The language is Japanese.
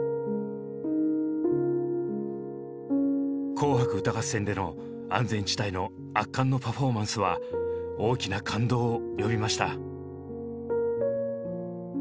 「紅白歌合戦」での安全地帯の圧巻のパフォーマンスは大きな感動を呼びました。